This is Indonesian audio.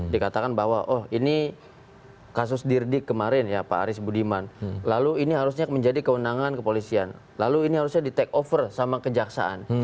dikatakan bahwa oh ini kasus dirdik kemarin ya pak aris budiman lalu ini harusnya menjadi kewenangan kepolisian lalu ini harusnya di take over sama kejaksaan